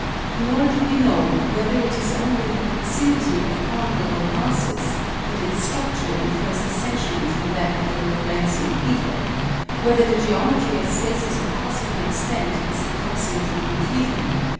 Nor do we know whether it is only in the proximity of ponderable masses that its structure differs essentially from that of the Lorentzian ether; whether the geometry of spaces of cosmic extent is approximately Euclidean.